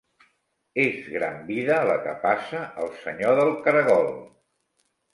És gran vida la que passa el senyor del caragol.